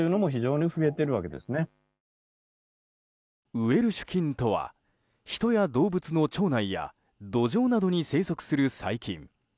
ウェルシュ菌とは人や動物の腸内や土壌などに生息する細菌。